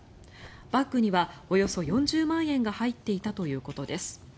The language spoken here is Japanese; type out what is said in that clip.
バッグにはおよそ４０万円が入っていたということです。